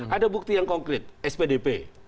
ada bukti yang konkret spdp